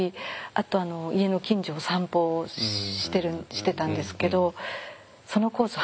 あと家の近所を散歩してたんですけどそのコース